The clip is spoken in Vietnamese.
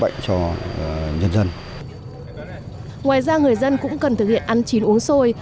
ngoài ra người dân cũng cần thực hiện ăn chín uống sôi